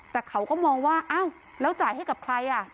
แต่เขาก็มองว่าอ้าวแล้วจ่ายให้กับใคร